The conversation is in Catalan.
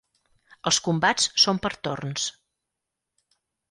Els combats són per torns.